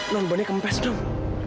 nol bonnya kempes dong